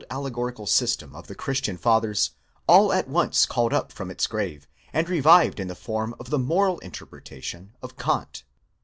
51 allegorical system of the christian fathers all at once called up from its grave, and revived in the form of the moral interpretation of Kant.